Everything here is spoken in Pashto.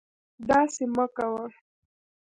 داسې مکوه